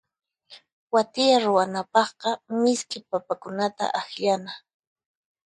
Wathiya ruwanapaqqa misk'i papakunata akllana.